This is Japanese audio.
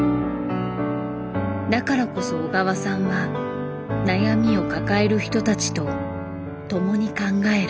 だからこそ小川さんは悩みを抱える人たちとともに考える。